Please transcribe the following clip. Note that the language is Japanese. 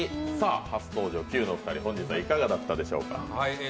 初登場、キュウのお二人、本日はいかがだったでしょうか？